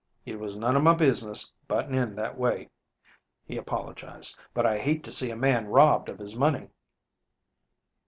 "It was none of my business, butting in in that way," he apologized, "but I hate to see a man robbed of his money."